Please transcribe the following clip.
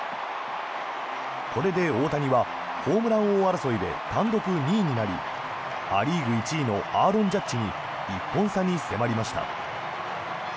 これで大谷はホームラン王争いで単独２位になりア・リーグ１位のアーロン・ジャッジに１本差に迫りました。